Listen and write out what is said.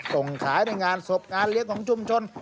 ส่งขายในงานศพงานเลี้ยงของชุมชน